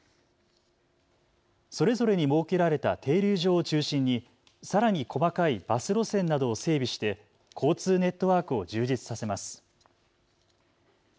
それぞれに設けられた停留場を中心にさらに細かいバス路線などを整備して交通ネットワークを充実させます。